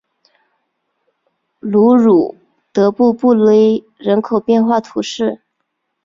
卢鲁德布布勒人口变化图示